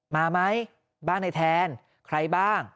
มาไหมบ้านในแทนใครบ้าง